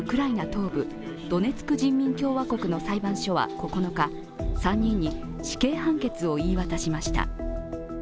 東部ドネツク人民共和国の裁判所は９日３人に死刑判決を言い渡しました。